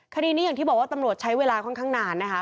คดีนี้อย่างที่บอกว่าตำรวจใช้เวลาค่อนข้างนานนะคะ